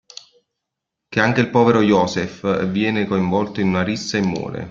Che anche il povero Joseph viene coinvolto in una rissa e muore.